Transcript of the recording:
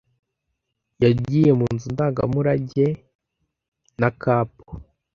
Yagiye mu nzu ndangamurage na cab.